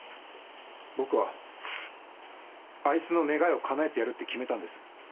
僕はあいつの願いをかなえてやるって決めたんです。